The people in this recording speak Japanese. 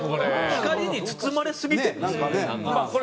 光に包まれすぎてるんですよねなんか。